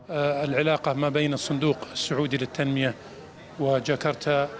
perhubungan antara pembangunan saudi dan jakarta